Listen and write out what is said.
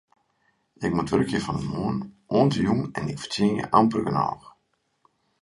Ik moat wurkje fan de moarn oant de jûn en ik fertsjinje amper genôch.